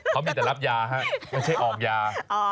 เขามีแต่รับยาฮะไม่ใช่ออกยา